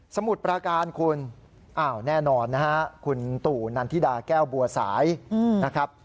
มุดประการคุณอ้าวแน่นอนนะฮะคุณตู่นันทิดาแก้วบัวสายนะครับ